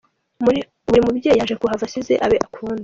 Buri mubyeyi yaje kuhava, asize abe akunda.